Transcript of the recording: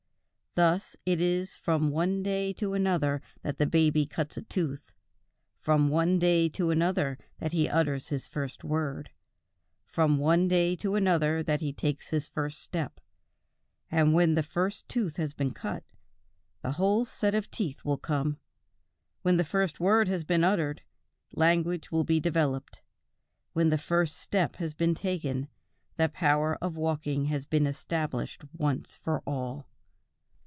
Thus it is from one day to another that the baby cuts a tooth, from one day to another that he utters his first word, from one day to another that he takes his first step; and when the first tooth has been cut, the whole set of teeth will come; when the first word has been uttered, language will be developed; when the first step has been taken, the power of walking has been established once for all.